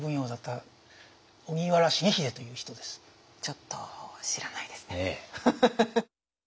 ちょっと知らないですね。